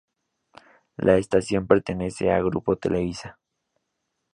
La estación pertenece a Grupo Televisa.